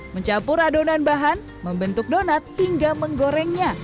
mencampur adonan bahan membentuk donat hingga menggorengnya